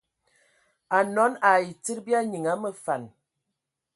Anɔn ai tsid bya nyiŋ a məfan.